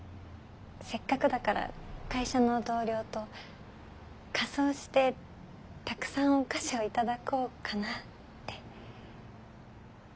せっかくだから会社の同僚と仮装してたくさんお菓子を頂こうかなって。